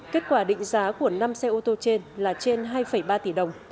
kết quả định giá của năm xe ô tô trên là trên hai ba tỷ đồng